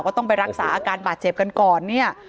ต้องไปรักษาอาการบาดเจ็บกันก่อนเนี่ย